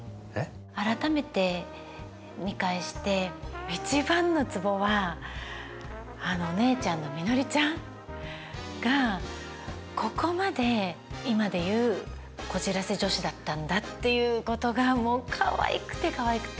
改めて、見返して一番のつぼはお姉ちゃんのみのりちゃんがここまで、今で言うこじらせ女子だったんだっていうことがかわいくてかわいくて。